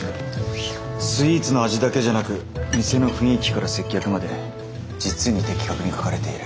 スイーツの味だけじゃなく店の雰囲気から接客まで実に的確に書かれている。